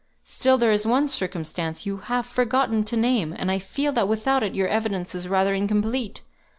Still there is one circumstance you have forgotten to name; and I feel that without it your evidence is rather incomplete.